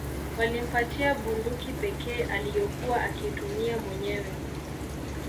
Walimpatia bunduki pekee aliyokuwa akiitumia mwenyewe